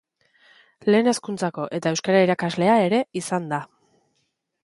Lehen hezkuntzako eta euskara irakaslea ere izan da.